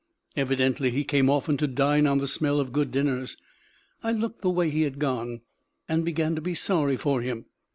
Evidently he came often to dine on the smell of good dinners. I looked the way he had gone, and began to be sorry for him.